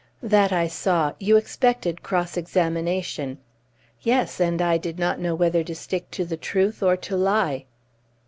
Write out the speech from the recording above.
"That I saw. You expected cross examination." "Yes; and I did not know whether to stick to the truth or to lie!"